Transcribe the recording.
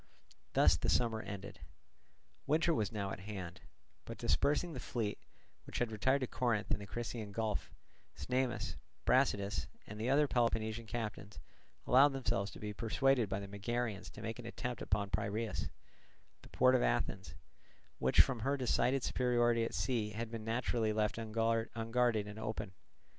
Thus the summer ended. Winter was now at hand; but dispersing the fleet, which had retired to Corinth and the Crissaean Gulf, Cnemus, Brasidas, and the other Peloponnesian captains allowed themselves to be persuaded by the Megarians to make an attempt upon Piraeus, the port of Athens, which from her decided superiority at sea had been naturally left unguarded and open.